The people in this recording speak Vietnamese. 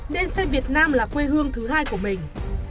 nên xem việt nam là quê hương thứ hai của mình